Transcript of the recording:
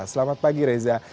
selamat pagi reza